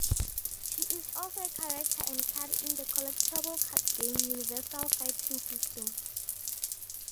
She is also a character card in the collectible card game "Universal Fighting System".